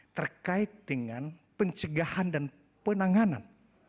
terkait dengan pencegahan dan penanganan